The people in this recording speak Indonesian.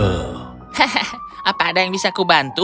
apa ada yang bisa kubantu apa ada yang bisa kubantu